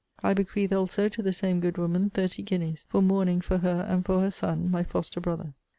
I bequeath also to the same good woman thirty guineas, for mourning for her and for her son, my foster brother.